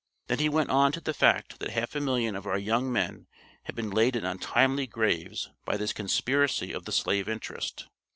Then he went on to the fact that half a million of our young men had been laid in untimely graves by this conspiracy of the slave interest.